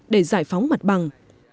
để giải phóng mặt bằng